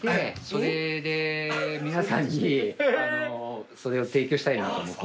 それで皆さんにそれを提供したいなと思って。